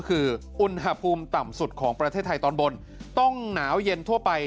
คืออุณหภูมิต่ำสุดของประเทศไทยตอนบนต้องหนาวเย็นทั่วไป